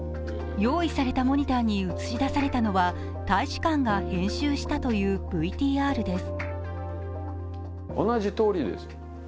用意されたモニターに映し出されたのは大使館が編集したというＶＴＲです。